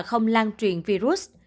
và không lan truyền virus